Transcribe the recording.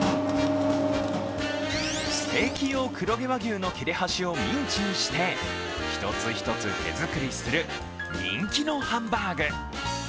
ステーキ用黒毛和牛の切れ端をミンチにして一つ一つ手作りする人気のハンバーグ。